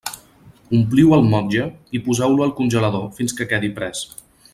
Ompliu un motlle i poseu-lo al congelador fins que quedi pres.